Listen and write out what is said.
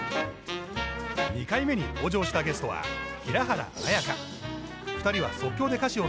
２回目に登場したゲストは平原綾香。